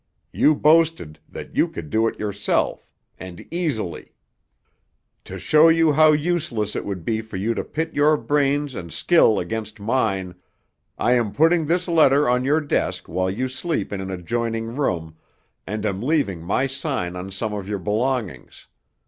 You boasted that you could do it yourself, and easily. To show you how useless it would be for you to pit your brains and skill against mine, I am putting this letter on your desk while you sleep in an adjoining room, and am leaving my sign on some of your belongings.